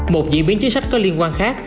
một diễn biến chính sách có liên quan khác